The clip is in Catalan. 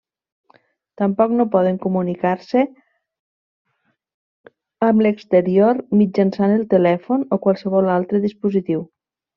Tampoc no poden comunicar-se amb l'exterior mitjançant el telèfon o qualsevol altre dispositiu.